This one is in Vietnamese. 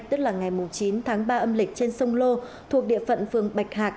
tức là ngày chín tháng ba âm lịch trên sông lô thuộc địa phận phường bạch hạc